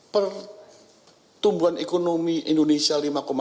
pertumbuhan ekonomi indonesia lima empat